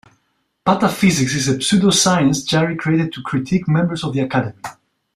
'Pataphysics is a pseudo-science Jarry created to critique members of the academy.